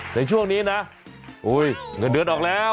ในช่วงนี้นะเงินเดือนออกแล้ว